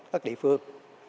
các địa phương